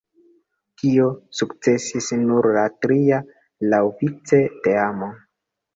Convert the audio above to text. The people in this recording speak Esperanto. Tion sukcesis nur la tria laŭvice teamo.